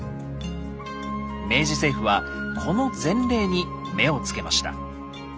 明治政府はこの前例に目をつけました。